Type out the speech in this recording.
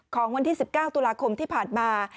ของวันที่๑๙ตุลาคมที่ผ่านมา